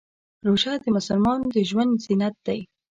روژه د مسلمان د ژوند زینت دی.